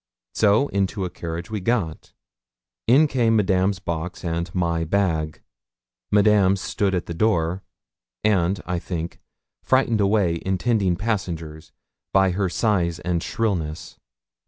So into a carriage we got; in came Madame's box and my bag; Madame stood at the door, and, I think, frightened away intending passengers, by her size and shrillness.